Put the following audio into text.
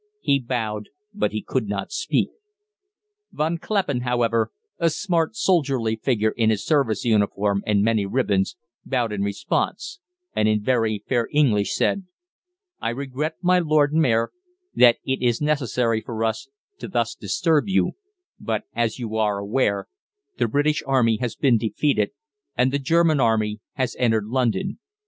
He bowed, but he could not speak. Von Kleppen, however, a smart, soldierly figure in his service uniform and many ribbons, bowed in response, and in very fair English said: "I regret, my Lord Mayor, that it is necessary for us to thus disturb you, but as you are aware, the British Army has been defeated, and the German Army has entered London.